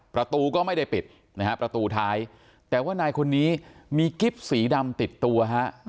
ประตูก็ไม่ได้ปิดนะฮะประตูท้ายแต่ว่านายคนนี้มีกิ๊บสีดำติดตัวฮะ